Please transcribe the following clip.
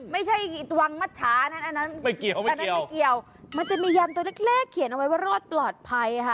ไม่ใช่วังมัชชานั้นอันนั้นไม่เกี่ยวไหมอันนั้นไม่เกี่ยวมันจะมียำตัวเล็กเขียนเอาไว้ว่ารอดปลอดภัยค่ะ